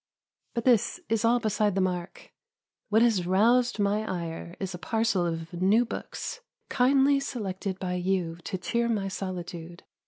But this is all beside the mark; what has roused my ire is a parcel of new books, kindly selected by you to cheer my solitude.